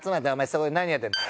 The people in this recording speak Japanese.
そこで何やってんだ。